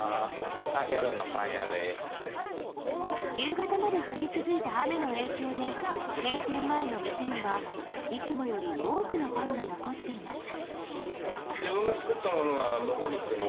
夕方まで降り続いた雨の影響で閉店前の店にはいつもより多くのパンが残っていました。